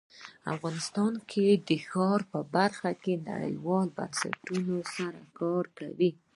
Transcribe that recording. افغانستان د ښارونه په برخه کې نړیوالو بنسټونو سره کار کوي.